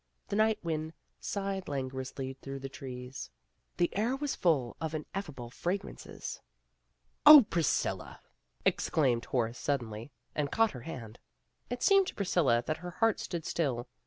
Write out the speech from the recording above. The night wind sighed languorously through the trees. 92 PEGGY RAYMOND'S WAY The air was full of ineffable fragrances. "Oh, Priscilla," exclaimed Horace suddenly, and caught her hand. It seemed to Priscilla that her heart stood still.